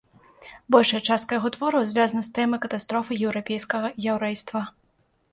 Большая частка яго твораў звязана з тэмай катастрофы еўрапейскага яўрэйства.